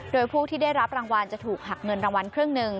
โดยผู้ที่ได้รับรางวัลจะถูกหักเงินรางวัลครึ่งหนึ่ง